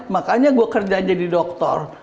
makanya gue kerja aja di doktor